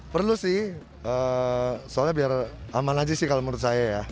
perlu sih soalnya biar aman aja sih kalau menurut saya ya